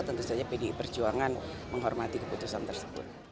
tentu saja pdi perjuangan menghormati keputusan tersebut